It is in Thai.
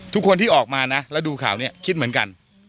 ทุกคนที่ออกมานะแล้วดูข่าวนี้คิดเหมือนกัน